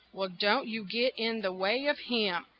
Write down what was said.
Well, don't you get in the way of him.